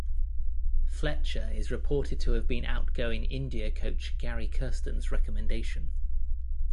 Fletcher is reported to have been outgoing India coach Gary Kirsten's recommendation.